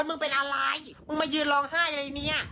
มึงเป็นอะไรมึงมายืนร้องไห้อะไรเมีย